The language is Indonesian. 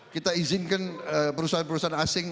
kita izinkan perusahaan perusahaan asing